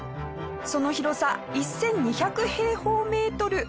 その広さ１２００平方メートル。